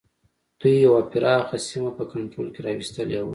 دوی یوه پراخه سیمه په کنټرول کې را وستلې وه.